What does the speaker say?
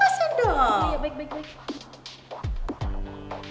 jangan jangan bu jangan